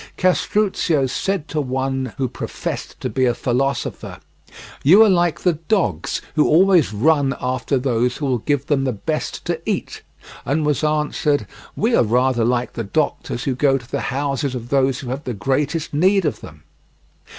Castruccio said to one who professed to be a philosopher: "You are like the dogs who always run after those who will give them the best to eat," and was answered: "We are rather like the doctors who go to the houses of those who have the greatest need of them."